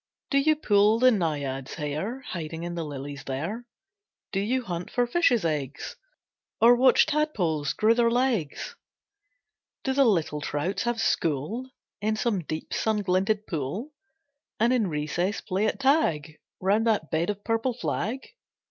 Do you pull the Naiads' hair Hiding in the lilies there? Do you hunt for fishes' eggs, Or watch tadpoles grow their legs? Do the little trouts have school In some deep sun glinted pool, And in recess play at tag Round that bed of purple flag?